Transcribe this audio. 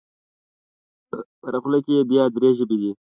په هره خوله کې یې بیا درې ژبې دي.